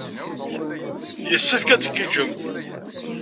Yessefk ad tgiǧǧemt.